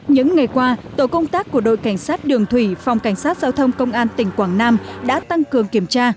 những ngày qua tổ công tác của đội cảnh sát đường thủy phòng cảnh sát giao thông công an tỉnh quảng nam đã tăng cường kiểm tra